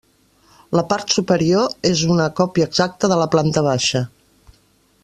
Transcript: La part superior és una còpia exacta de la planta baixa.